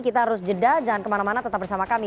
kita harus jeda jangan kemana mana tetap bersama kami